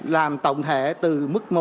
làm tổng thể từ mức một